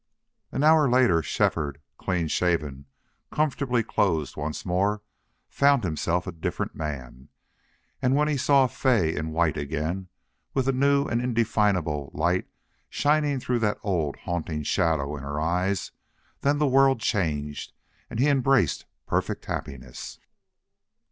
An hour later Shefford, clean shaven, comfortably clothed once more, found himself a different man; and when he saw Fay in white again, with a new and indefinable light shining through that old, haunting shadow in her eyes, then the world changed and he embraced perfect happiness.